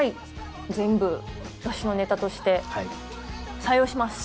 全部雑誌のネタとして採用します！